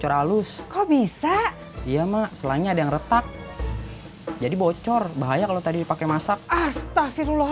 bocor halus kok bisa iya maksudnya ada yang retak jadi bocor bahaya kalau tadi pakai masak astaghfirullah